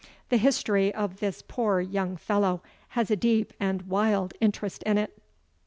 The history of this poor young fellow has a deep and wild interest in it."